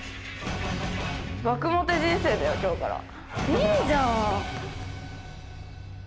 いいじゃん！